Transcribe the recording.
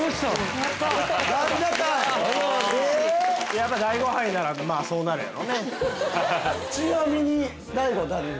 やっぱ大悟杯ならまあそうなるやろうね。